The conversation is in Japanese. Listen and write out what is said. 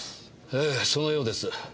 ええそのようです。